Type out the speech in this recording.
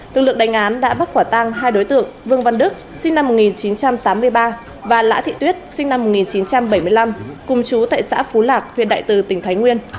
lực lượng đánh án đã bắt quả tang hai đối tượng vương văn đức sinh năm một nghìn chín trăm tám mươi ba và lã thị tuyết sinh năm một nghìn chín trăm bảy mươi năm cùng chú tại xã phú lạc huyện đại từ tỉnh thái nguyên